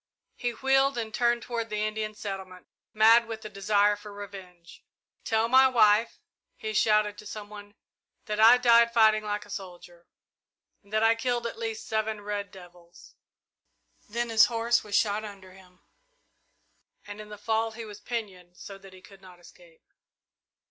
He wheeled and turned toward the Indian settlement, mad with the desire for revenge. "Tell my wife," he shouted to some one, "that I died fighting like a soldier, and that I killed at least seven red devils!" Then his horse was shot under him, and in the fall he was pinioned so that he could not escape.